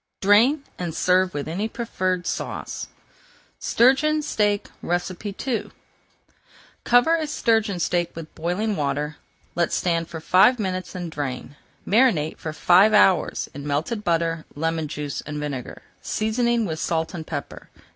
Drain and serve with any preferred sauce. STURGEON STEAK II Cover a sturgeon steak with boiling water, let stand for five minutes, and drain. Marinate for five hours in melted butter, lemon juice, and vinegar, seasoning with salt and pepper.